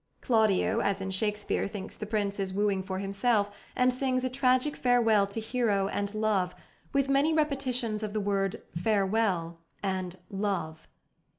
Claudio, as in Shakespeare, thinks the prince is wooing for himself, and sings a tragic farewell to Hero and love, with many repetitions of the words "farewell" and "love."